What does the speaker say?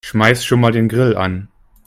Schmeiß schon mal den Grill an.